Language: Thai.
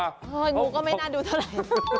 งูก็ไม่น่าดูเท่าไหร่